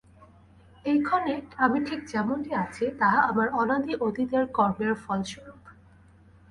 এইক্ষণে আমি ঠিক যেমনটি আছি, তাহা আমার অনাদি অতীতের কর্মের ফলস্বরূপ।